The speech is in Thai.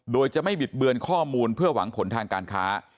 โดยจะไม่บิดเบือนข้อมูลเพื่อหวังผลทางการค้า